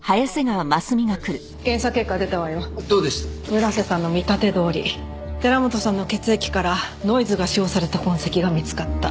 村瀬さんの見立てどおり寺本さんの血液からノイズが使用された痕跡が見つかった。